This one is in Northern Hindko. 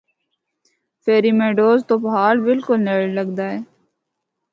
فیری میڈوز تو پہاڑ بلکل نیڑے لگدا ہے۔